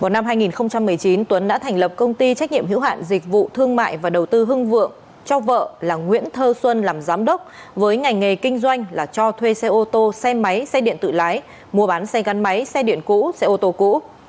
năm hai nghìn một mươi chín tuấn đã thành lập công ty trách nhiệm hữu hạn dịch vụ thương mại và đầu tư hưng vượng cho vợ là nguyễn thơ xuân làm giám đốc với ngành nghề kinh doanh là cho thuê xe ô tô xe máy xe điện tự lái mua bán xe gắn máy xe điện cũ xe ô tô cũ